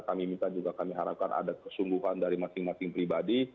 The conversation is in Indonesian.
kami minta juga kami harapkan ada kesungguhan dari masing masing pribadi